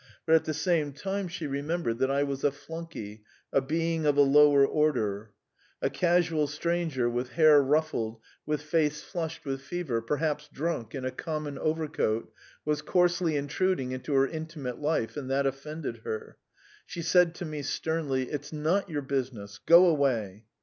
But at the same time she remembered that I was a flunkey, a being of a lower order. ... A casual stranger, with hair ruffled, with face flushed with fever, perhaps drunk, in a common overcoat, was coarsely intruding into her intimate life, and that offended her. She said to me sternly: "It's not your business: go away."